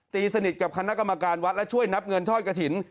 ตีสนิทกับคณะกรรมการวัดและช่วยนับเงินทอดกระถิ่น